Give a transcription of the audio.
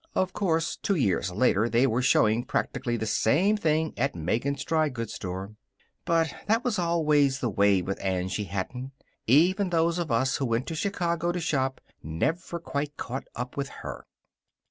Of course, two years later they were showing practically the same thing at Megan's dry goods store. But that was always the way with Angie Hatton. Even those of us who went to Chicago to shop never quite caught up with her.